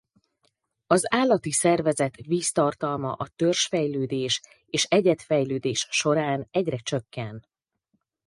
Az állati szervezet víztartalma a törzsfejlődés és egyedfejlődés során egyre csökken.